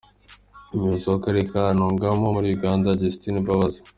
Umuyozi w’Akarere ka Ntungamo muri Uganda, Justine Mbabazi